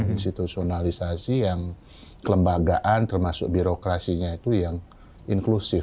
institusionalisasi yang kelembagaan termasuk birokrasinya itu yang inklusif